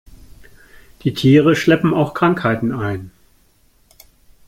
Die Tiere schleppen auch Krankheiten ein.